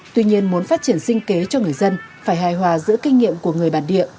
tuy nhiên muốn phát triển sinh kế cho người dân phải hài hòa giữa kinh nghiệm của người bản địa